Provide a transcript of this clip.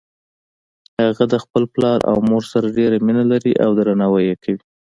هغه د خپل پلار او مور سره ډیره مینه لری او درناوی یی کوي